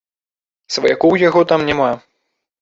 Сваякоў у яго там няма.